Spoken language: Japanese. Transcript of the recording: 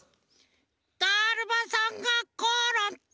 だるまさんがころんだ！